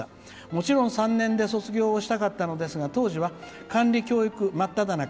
もちろん３年で卒業したかったのですが当時は、管理教育真っただ中。